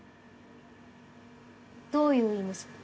どういう意味ぞ？